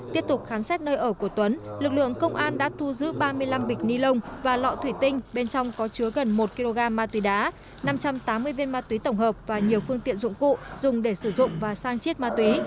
tiếp tục khám xét nơi ở của tuấn lực lượng công an đã thu giữ ba mươi năm bịch ni lông và lọ thủy tinh bên trong có chứa gần một kg ma túy đá năm trăm tám mươi viên ma túy tổng hợp và nhiều phương tiện dụng cụ dùng để sử dụng và sang chiết ma túy